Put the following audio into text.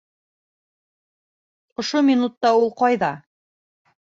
Ошо минутта ул ҡайҙа?